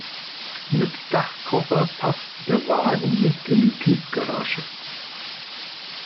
Mit Dachkoffer passt der Wagen nicht in die Tiefgarage.